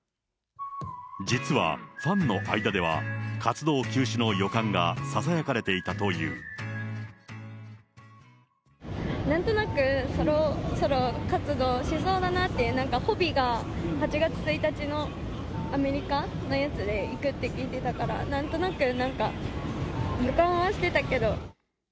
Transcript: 実は、ファンの間では、活動休止の予感が、ささやかれていたなんとなく、ソロ活動しそうだなって、ＨＯＰＥが８月１日のアメリカのやつで行くって聞いてたから、なんとなくなんか、予感はしてたけど。